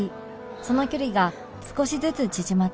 その距離が少しずつ縮まっていく